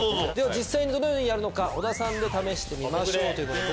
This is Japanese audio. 実際にどのようにやるのか小田さんで試してみましょう。